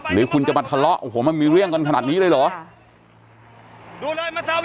หรือคุณจะมาทะเลาะโอ้โหมันมีเรื่องกันขนาดนี้เลยเหรอ